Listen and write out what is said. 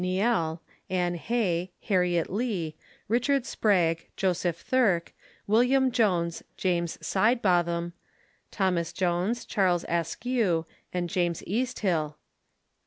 Nielle, Ann Hay, Harriet Lee, Richard Spragg, Joseph Thirk, William Jones, James Sidebotham, Thomas Jones, Charles Askew, and James Easthill.